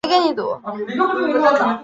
於是就没有摘